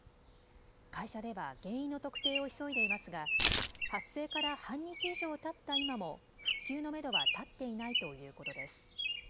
会社では原因の特定を急いでいますが発生から半日以上たった今も復旧のめどは立っていないということです。